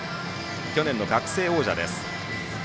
去年の学生王者です。